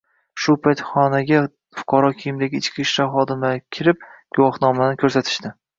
Shu payt xonaga fuqaro kiyimidagi ichki ishlar xodimlari kirib, guvoµnomalarini ko`rsatishdi